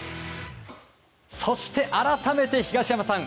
そして改めて、東山さん